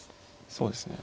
そうですね